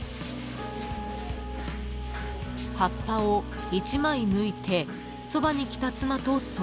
［葉っぱを１枚むいてそばに来た妻と相談］